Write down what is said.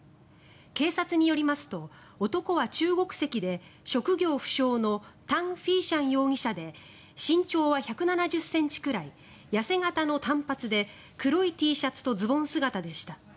警察によりますと男は中国籍で職業不詳のタン・フィーシャン容疑者で身長は１７０ｃｍくらい痩せ形の短髪で黒いＴシャツとズボン姿でした。